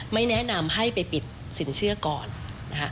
ไม่แนะนำให้ไปปิดสินเชื่อก่อนนะคะ